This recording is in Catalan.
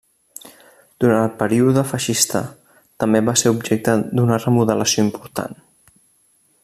Durant el període feixista, també va ser objecte d'una remodelació important.